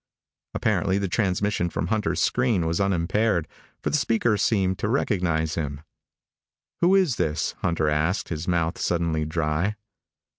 Apparently the transmission from Hunter's screen was unimpaired, for the speaker seemed to recognize him. "Who is this?" Hunter asked, his mouth suddenly dry.